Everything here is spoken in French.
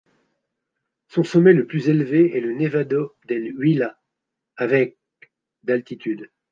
Son sommet le plus élevé est le Nevado del Huila avec d'altitude.